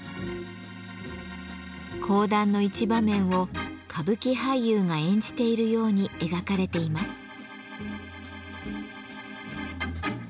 講談の一場面を歌舞伎俳優が演じているように描かれています。